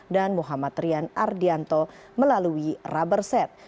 dan muhammad rian ardianto melalui rubber set